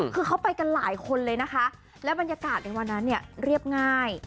คือเขาไปกันหลายคนเลยนะคะและบรรยากาศในวันนั้นเนี่ยเรียบง่าย